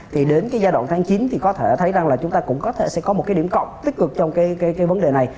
thì đến cái giai đoạn tháng chín thì có thể thấy rằng là chúng ta cũng có thể sẽ có một cái điểm cộng tích cực trong cái vấn đề này